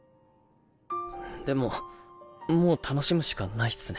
でももう楽しむしかないっすね。